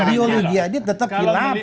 ideologi hti tetap hilang